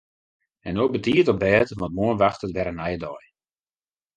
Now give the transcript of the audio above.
En no betiid op bêd want moarn wachtet wer in nije dei.